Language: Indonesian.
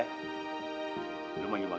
lo mau nyembang dulu kan